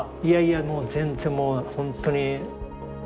いやいやもう全然もう本当に。